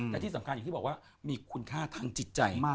และที่สำคัญอย่างที่บอกว่ามีคุณค่าทางจิตใจมาก